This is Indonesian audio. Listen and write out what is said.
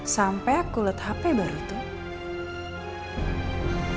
sampai kulit hp baru itu